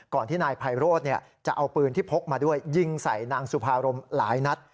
ที่นายไพโรธจะเอาปืนที่พกมาด้วยยิงใส่นางสุภารมหลายนัด